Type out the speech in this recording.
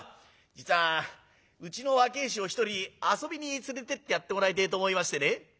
「実はうちの若え衆を一人遊びに連れてってやってもらいてえと思いましてね」。